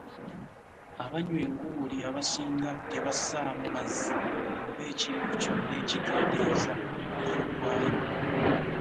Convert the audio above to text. Abanywa enguuli abasinga tebassaamu mazzi oba ekintu kyonna ekikendeeza muliro gwayo.